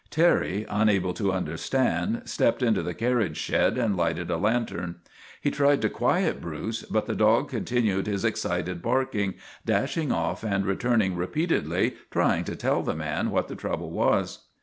Terry, unable to understand, stepped into the carriage shed and lighted a lantern. He tried to quiet Bruce, but the dog continued his excited barking, dashing off and returning re peatedly, trying to tell the man what the trouble was.